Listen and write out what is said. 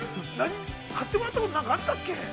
買ってもらったことあったっけ？